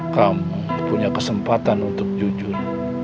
kamu punya kesempatan untuk jujur